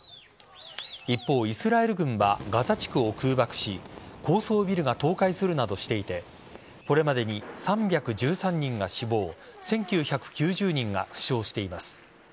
一方イスラエル軍はガザ地区を空爆し高層ビルが倒壊するなどしていてこれまでに３１３人が死亡１９９０人が負傷しています。